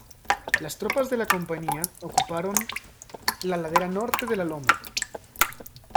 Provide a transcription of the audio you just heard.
Las tropas de la Compañía ocuparon la ladera norte de la loma.